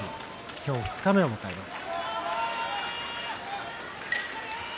今日二日目を迎えます。